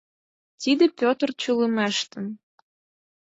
Тиде Петр чулымештын.